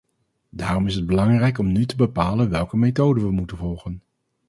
Daarom is het belangrijk om nu te bepalen welke methode we moeten volgen.